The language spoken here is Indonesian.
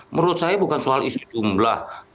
menurut saya bukan soal isu jumlah